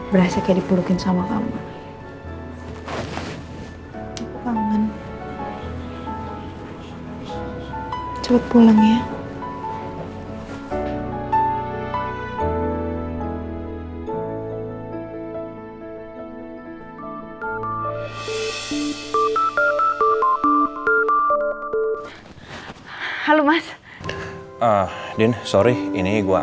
berhasil kayak dipurukin sama kamu